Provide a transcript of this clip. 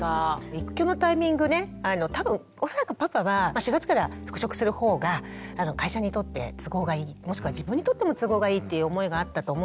育休のタイミングね多分恐らくパパは４月から復職するほうが会社にとって都合がいいもしくは自分にとっても都合がいいっていう思いがあったと思うんです。